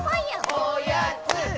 おやつ。